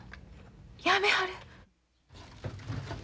やめはる？